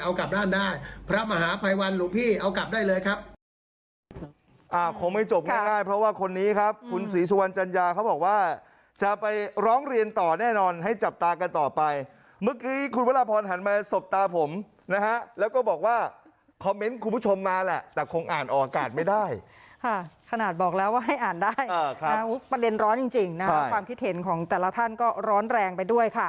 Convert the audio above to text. เอากลับด้านได้พระมหาภัยวันหลวงพี่เอากลับได้เลยครับ